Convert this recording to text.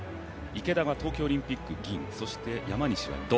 池田は東京オリンピック、銀そして、山西は銅。